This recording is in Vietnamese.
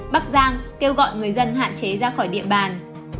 bắc giang kêu gọi người dân hạn chế ra khỏi địa bàn